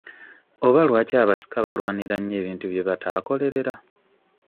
Oba lwaki abasika balwanira nnyo ebintu bye bataakolerera?